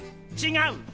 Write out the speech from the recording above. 違う！